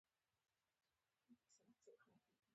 یووخت د مارکسیزم، لیننزم،